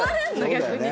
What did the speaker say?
逆に。